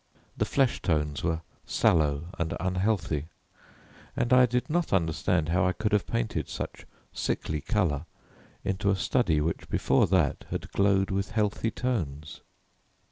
The flesh tones were sallow and unhealthy, and I did not understand how I could have painted such sickly colour into a study which before that had glowed with healthy tones.